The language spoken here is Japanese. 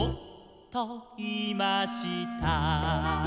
「いいました」